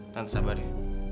tante sabar ya